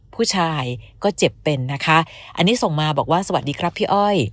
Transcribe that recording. ผู้ชายก็เจ็บเป็นนะคะอันนี้ส่งมาบอกว่าสวัสดีครับพี่อ้อย